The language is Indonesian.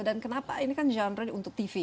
dan kenapa ini kan genre untuk tv ya